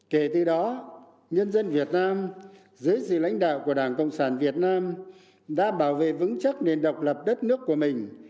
kể từ đó nhân dân việt nam dưới sự lãnh đạo của đảng cộng sản việt nam đã bảo vệ vững chắc nền độc lập đất nước của mình